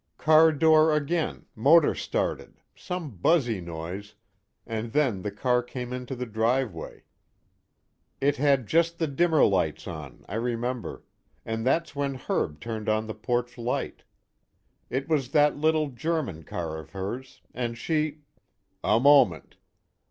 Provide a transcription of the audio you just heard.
"Car door again, motor started, same buzzy noise, and then the car came into the driveway it had just the dimmer lights on, I remember and that's when Herb turned on the porch light. It was that little German car of hers, and she " "A moment.